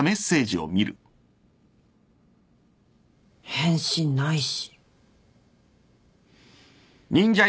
返信ないし。